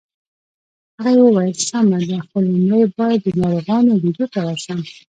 هغې وویل: سمه ده، خو لومړی باید د ناروغانو لیدو ته ورشم.